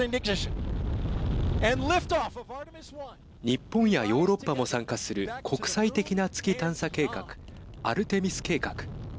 日本やヨーロッパも参加する国際的な月探査計画アルテミス計画。